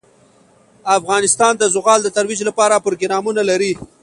افغانستان د زغال د ترویج لپاره پروګرامونه لري.